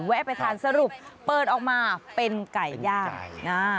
แวะไปทานสรุปเปิดออกมาเป็นไก่ย่างอ่า